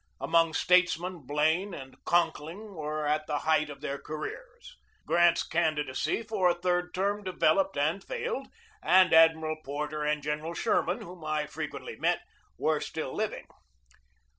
Among statesmen Elaine and Conkling were at the height of their careers; Grant's candidacy for a third term developed and failed; and Admiral Porter and Gen eral Sherman, whom I frequently met, were still living.